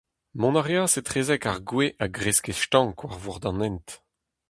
Mont a reas etrezek ar gwez a greske stank war bord an hent.